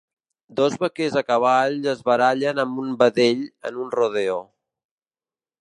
Dos vaquers a cavall es barallen amb un vedell en un rodeo.